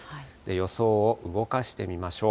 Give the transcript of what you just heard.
予想を動かしてみましょう。